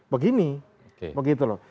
begini begitu loh